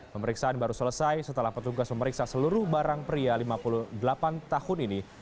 pemeriksaan baru selesai setelah petugas memeriksa seluruh barang pria lima puluh delapan tahun ini